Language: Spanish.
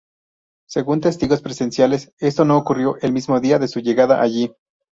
Según testigos presenciales, esto no ocurrió el mismo día de su llegada allí.